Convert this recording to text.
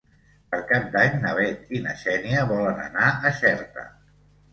Per Cap d'Any na Bet i na Xènia volen anar a Xerta.